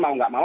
mau gak mau